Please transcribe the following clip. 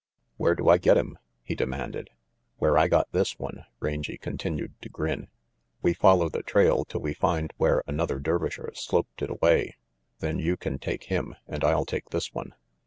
"Where do I get him ?" he demanded. "Where I got this one." Rangy continued to grin. "We follow the trail till we find where another Dervisher sloped it away; then you can take him, and I'll take this one."